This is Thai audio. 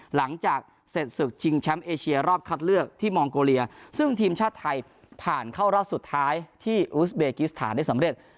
หลังจากเสร็จศึกชิงแชมป์เอเชียรอบคัดเลือกที่มองโกเลียซึ่งทีมชาติไทยผ่านเข้ารอบสุดท้ายที่อูสเบกิสถานได้สำเร็จ